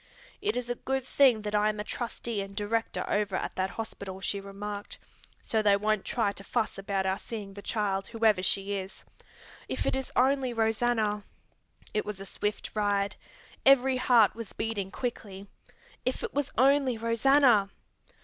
"It is a good thing that I am a trustee and director over at that hospital," she remarked, "so they won't try to fuss about our seeing the child, whoever she is. If it is only Rosanna " It was a swift ride. Every heart was beating quickly. If it was only Rosanna!